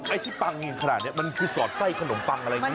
ไอ้ที่ปังอย่างนี้ขนาดนี้มันคือสอดไส้ขนมปังอะไรอย่างนี้หรือเปล่า